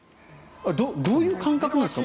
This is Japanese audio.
どういう感覚なんですか？